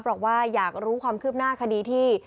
บอกว่าอยากรู้ความคืบหน้าคดีที่